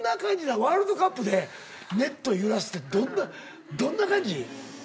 ワールドカップでネット揺らすってどんな感じ？